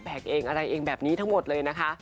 เองอะไรเองแบบนี้ทั้งหมดเลยนะคะ